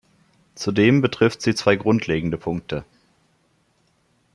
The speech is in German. Zudem betrifft sie zwei grundlegende Punkte.